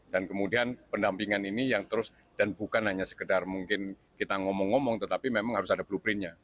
dan kemudian pendampingan ini yang terus dan bukan hanya sekedar mungkin kita ngomong ngomong tetapi memang harus ada blueprintnya